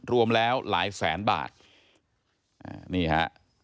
รวมแล้วหลายแสนบาทอ่านี่ฮะ